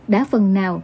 đã phần nào